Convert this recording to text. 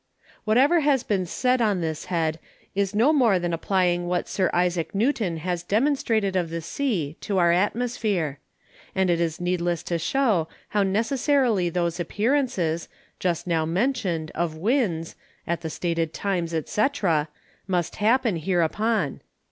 Whatever has been said on this Head, is no more that applying what Sir Isaac Newton has Demonstrated of the Sea to our Atmosphere; and it is needless to shew how necessarily those Appearances, just now mentioned, of Winds, at the Stated Times, &c. must happen hereupon.